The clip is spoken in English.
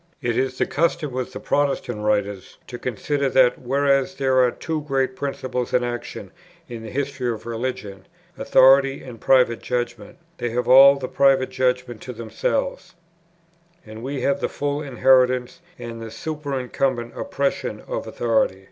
It is the custom with Protestant writers to consider that, whereas there are two great principles in action in the history of religion, Authority and Private Judgment, they have all the Private Judgment to themselves, and we have the full inheritance and the superincumbent oppression of Authority.